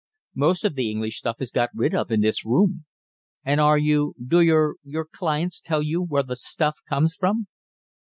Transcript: "Most of the English stuff is got rid of in this room." "And are you do your your 'clients' tell you where the 'stuff' comes from?"